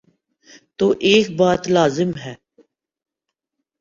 تو ایک بات لازم ہے۔